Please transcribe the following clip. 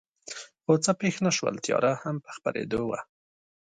خو څه پېښ نه شول، تیاره هم په خپرېدو وه.